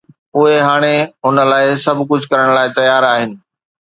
اهي هاڻي هن لاءِ سڀ ڪجهه ڪرڻ لاءِ تيار آهن.